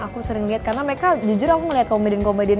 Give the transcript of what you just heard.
aku sering lihat karena mereka jujur aku ngeliat komedian komedian